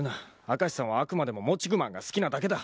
明石さんはあくまでもモチグマンが好きなだけだ。